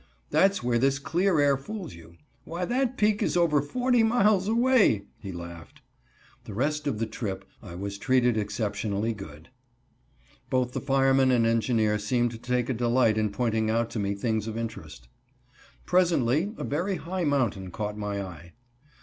"That's where this clear air fools you. Why that peak is over forty miles away," he laughed. The rest of this trip I was treated exceptionally good. Both the fireman and engineer seemed to take a delight in pointing out to me things of interest. Presently a very high mountain caught my eye.